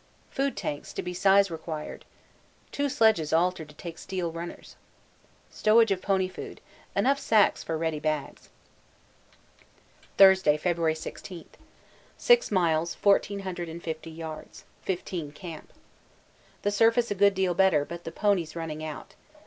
Food tanks to be size required. Two sledges altered to take steel runners. Stowage of pony food. Enough sacks for ready bags. Thursday, February 16. 6 miles 1450 yards. 15 Camp. The surface a good deal better, but the ponies running out.